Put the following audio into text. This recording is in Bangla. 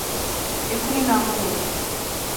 এক্ষুণি নামো বলছি!